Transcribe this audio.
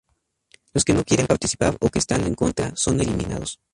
Los que no quieren participar o que están en contra, son eliminados.